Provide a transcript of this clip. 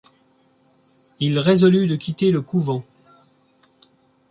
Il résolut de quitter le couvent.